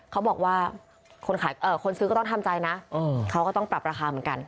เขาบอกว่าคนซื้อก็ต้องทำใจนะเขาก็ต้องปรับราคาเหมือนกัน